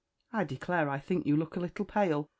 I declare I think you look a little pale.